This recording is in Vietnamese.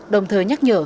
đồng thời nhắc nhở